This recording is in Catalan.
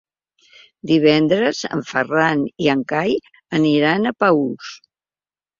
Divendres en Ferran i en Cai aniran a Paüls.